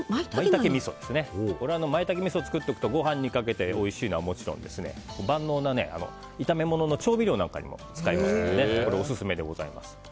マイタケみそを作っておくとご飯にかけておいしいのはもちろん万能な炒め物の調味料なんかにも使えますのでこれ、オススメでございます。